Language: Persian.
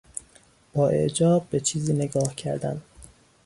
با اعجاب به چیزی نگاه کردن